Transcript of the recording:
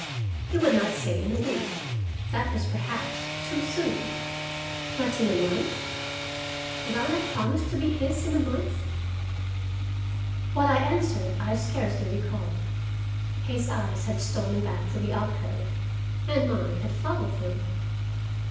He would not say in a week; that was perhaps to soon; but in a month? Would I not promise to be his in a month? What I answered I scarcely recall. His eyes had stolen back to the alcove and mine had followed them.